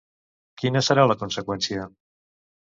Quina serà la conseqüència?